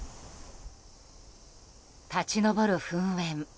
立ち上る噴煙。